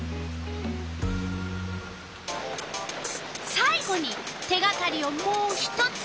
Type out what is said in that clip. さい後に手がかりをもう一つ。